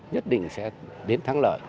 nhất định sẽ đến thắng lợi